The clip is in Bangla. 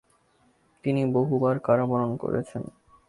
তিনি বহুবার কারাবরণ করেছেন।